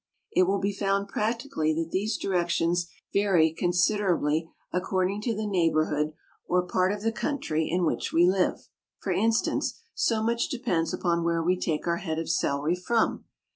It will be found practically that these directions vary considerably according to the neighbourhood or part of the country in which we live. For instance, so much depends upon where we take our head of celery from.